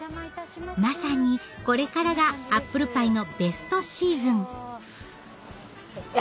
まさにこれからがアップルパイのベストシーズンあ